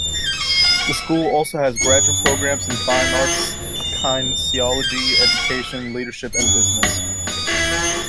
The school also has graduate programs in fine arts, kinesiology, education, leadership and business.